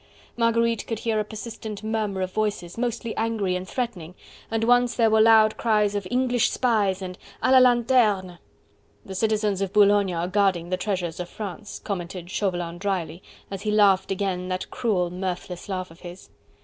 Marguerite could hear a persistent murmur of voices, mostly angry and threatening, and once there were loud cries of: "English spies," and "a la lanterne!" "The citizens of Boulogne are guarding the treasures of France!" commented Chauvelin drily, as he laughed again, that cruel, mirthless laugh of his.